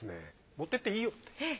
持ってっていいよって。